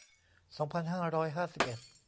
สองพันห้าร้อยห้าสิบเอ็ด